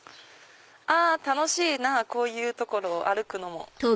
楽しいなこういう所を歩くのも。